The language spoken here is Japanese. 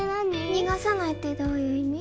逃がさないってどういう意味？